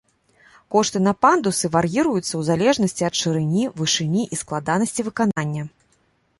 Кошты на пандусы вар'іруюцца ў залежнасці ад шырыні, вышыні і складанасці выканання.